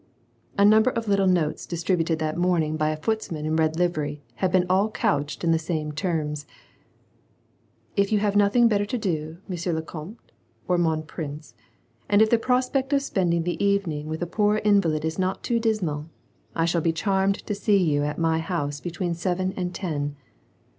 A number of little notes distributed that morning by a footman in red livery had been all couched in the same terms :— "If you have nothing better to do, M. le Comte (or inon Prince), and if the prospect of spending the evening with a poor invalid is not too dismal, I shall be charmed to see you at my house between seven and ten.